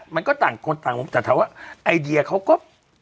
มันก็ต่างคนต่างมุมแต่ถามว่าไอเดียเขาก็